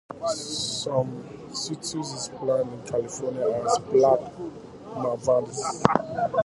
Some Cinsaut is planted in California as Black Malvoisie.